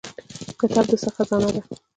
کتاب د څه خزانه ده؟